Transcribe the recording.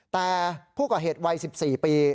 แต่ผู้ก่อเหตุวัย๑๔ปี